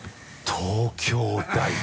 東京大学！